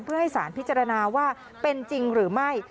เพื่อให้สารพิจารณาว่าเป็นจริงหรือไม่